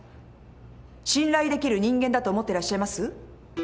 信頼できる人間だと思ってらっしゃいます？